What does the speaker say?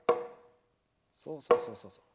そうそうそうそう。